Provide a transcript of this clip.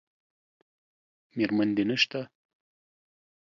میرمن دې نشته؟